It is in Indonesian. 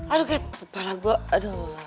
aduh kayak kepala gue